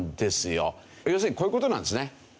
要するにこういう事なんですね。